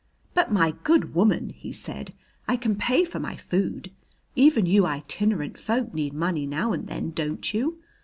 "But, my good woman," he said, "I can pay for my food. Even you itinerant folk need money now and then, don't you?